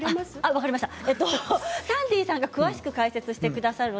サンディーさんが詳しく解説してくださいます。